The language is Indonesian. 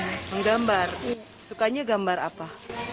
menggambar sukanya gambar apa